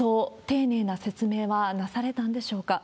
丁寧な説明はなされたんでしょうか。